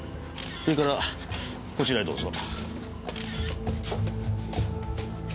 それからこちらへどうぞ。